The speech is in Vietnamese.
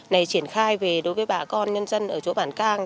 này triển khai về đối với bà con nhân dân ở chỗ bản cang